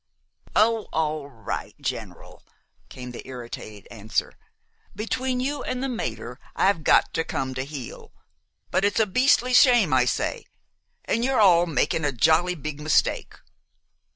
"Oh, all right, General," came the irritated answer. "Between you an' the mater I've got to come to heel; but it's a beastly shame, I say, an' you're all makin' a jolly big mistake."